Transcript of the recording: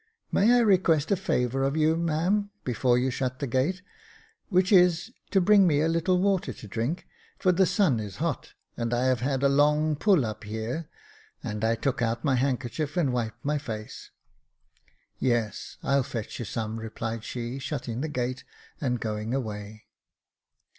" May I request a favour of you, ma'am, before you shut the gate — which is, to bring me a little water to drink, for the sun is hot, and I have had a long pull up here :" and I took out my handkerchief and wiped my face. " Yes, I'll fetch you some," replied she, shutting the gate, and going away.